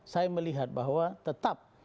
saya melihat bahwa tetap